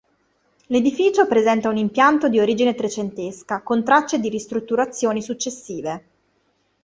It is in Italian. L'edificio presenta un impianto di origine trecentesca con tracce di ristrutturazioni successive.